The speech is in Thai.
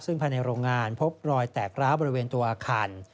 ซึ่งภายในโรงงานพบรอยแตกร้าวบริเวณตัวอาคาร